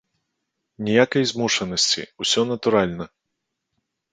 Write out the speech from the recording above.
Ніякай змушанасці, усё натуральна.